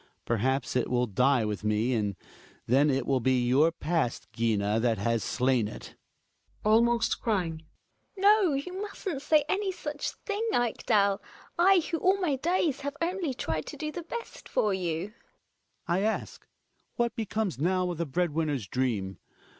Perhaps it will die with me, and then it will be your past, Gina, that has slain it. GiNA {almost crying). No, you mustn't say any such thing, Ekdal. I, who all my days have only tried to do the best for you ! UTidUNt ^ Hjalmar. I ask — what becomes now of the bread winner's dream?